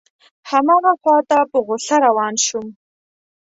هماغه خواته په غوسه روان شوم.